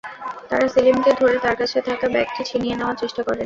তাঁরা সেলিমকে ধরে তাঁর কাছে থাকা ব্যাগটি ছিনিয়ে নেওয়ার চেষ্টা করেন।